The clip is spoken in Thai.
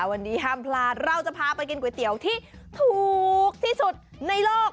วันนี้ห้ามพลาดเราจะพาไปกินก๋วยเตี๋ยวที่ถูกที่สุดในโลก